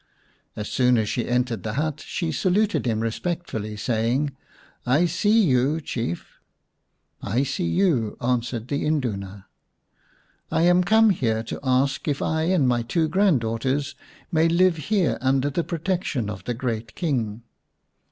As soon as she entered the hut she saluted him respectfully, saying :" I see you, Chief." " I see you," answered the Induna. " I am come here to ask if I and my two grand daughters may live here under the pro tection of the great King."